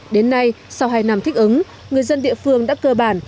đến nay sau hai năm thích ứng người dân địa phương đã cơ bản